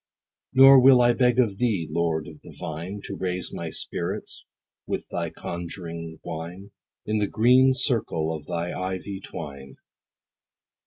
Nor will I beg of thee, Lord of the vine, To raise my spirits with thy conjuring wine, In the green circle of thy ivy twine.